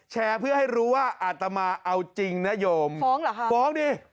เพื่อให้รู้ว่าอาตมาเอาจริงนะโยมฟ้องเหรอคะฟ้องดิ